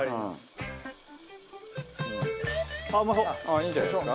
いいんじゃないですか。